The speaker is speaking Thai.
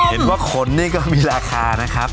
เห็นว่าขนนี่ก็มีราคานะครับ